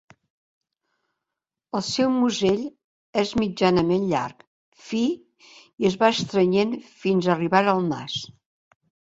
El seu musell és mitjanament llarg, fi, es va estrenyent fins a arribar al nas.